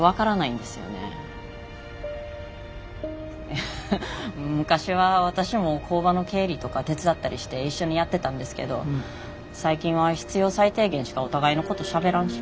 いや昔は私も工場の経理とか手伝ったりして一緒にやってたんですけど最近は必要最低限しかお互いのことしゃべらんし。